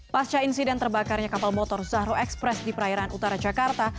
pasca insiden terbakarnya kapal motor zahro express di perairan utara jakarta